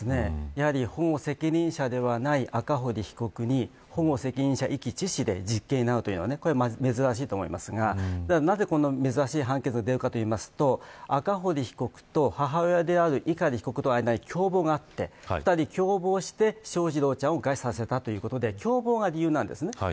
やはり保護責任者ではない赤堀被告に保護責任者遺棄致死で実刑になるというのは珍しいと思いますがなぜこんな珍しい判決が出るかといいますと赤堀被告と母親である碇被告との間に共謀があって２人が共謀して翔士郎ちゃんを餓死させたということで共謀が理由です。